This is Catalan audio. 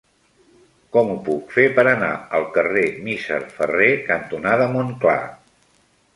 Com ho puc fer per anar al carrer Misser Ferrer cantonada Montclar?